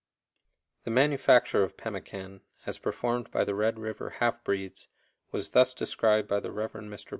The manufacture of pemmican, as performed by the Red River half breeds, was thus described by the Rev. Mr.